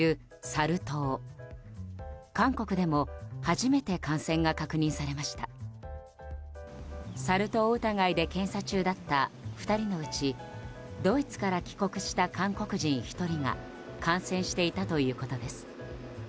サル痘疑いで検査中だった２人のうちドイツから帰国した韓国人１人が感染していたということです。